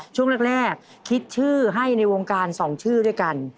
ช่วงแรกคิดชื่อให้ในวงการ๒ชื่อด้วยกัน